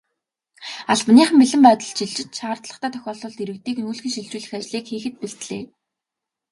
Албаныхан бэлэн байдалд шилжиж, шаардлагатай тохиолдолд иргэдийг нүүлгэн шилжүүлэх ажлыг хийхэд бэлдлээ.